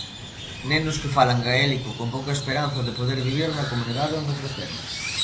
Nenos que falan gaélico con pouca esperanza de poder vivir na comunidade onde creceron.